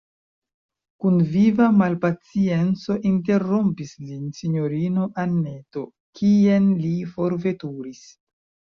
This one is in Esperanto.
kun viva malpacienco interrompis lin sinjorino Anneto: kien li forveturis?